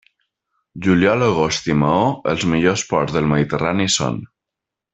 Juliol, agost i Maó, els millors ports del Mediterrani són.